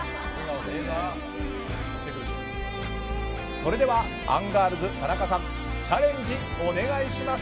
それではアンガールズ田中さんチャレンジ、お願いします！